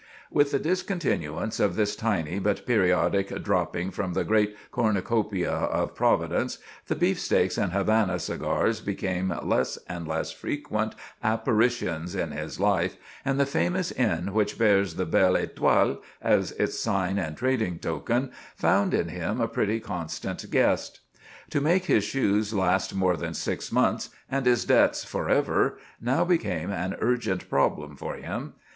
With the discontinuance of this tiny but periodic dropping from the great Cornucopia of Providence, the beefsteaks and Havana cigars became less and less frequent apparitions in his life, and the famous inn which bears the "Belle Etoile" as its sign and trading token, found in him a pretty constant guest. To make his shoes last more than six months, and his debts forever, now became an urgent problem for him.